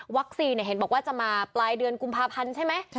เห็นบอกว่าจะมาปลายเดือนกุมภาพันธ์ใช่ไหม